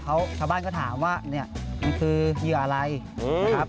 เขาชาวบ้านก็ถามว่าเนี่ยมันคือเหยื่ออะไรนะครับ